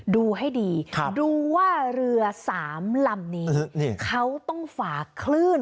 ดูให้ดีดูว่าเรือ๓ลำนี้เขาต้องฝาคลื่น